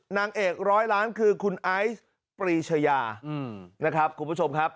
นางเอกร้อยล้านคือคุณไอซ์ปรีชายานะครับคุณผู้ชมครับ